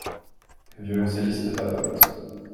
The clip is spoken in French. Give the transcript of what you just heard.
Le violoncelliste papote.